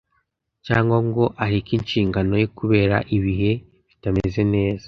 cyangwa ngo areke inshingano ye kubera ibihe bitameze neza.